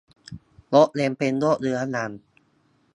ยกเว้นเป็นโรคเรื้อรัง